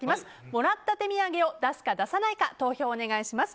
もらった手土産を出すか、出さないか投票お願いします。